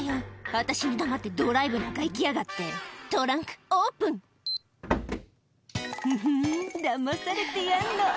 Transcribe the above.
「私に黙ってドライブなんか行きやがって」「トランクオープン」「フフンダマされてやんの」